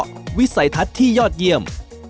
ว่าเป็นเพราะวิสัยทัศน์ที่ยอดเยี่ยม